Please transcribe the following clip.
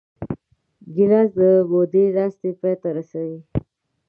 ګیلاس د مودې ناستې پای ته رسوي.